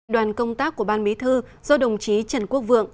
đoàn công tác của ban bí thư do đồng chí trần quốc vượng